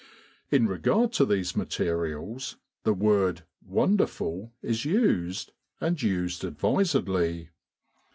In regard to these materials, the word "wonderful" is used, and used advisedly.